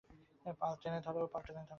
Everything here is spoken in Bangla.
পাল টেনে ধরো!